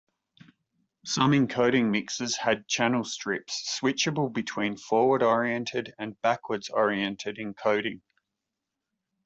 Some encoding mixers had channel strips switchable between forward-oriented and backwards-oriented encoding.